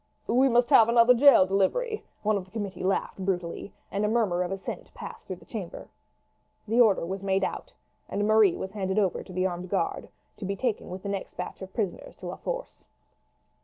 "We must have another jail delivery," one of the committee laughed brutally; and a murmur of assent passed through the chamber. The order was made out, and Marie was handed over to the armed guard, to be taken with the next batch of prisoners to La Force.